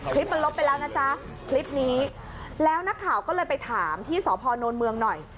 คลิปมันลบไปแล้วนะจ๊ะคลิปนี้แล้วนักข่าวก็เลยไปถามที่สพนเมืองหน่อย